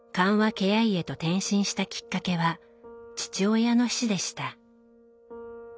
ケア医へと転身したきっかけは父親の死でした。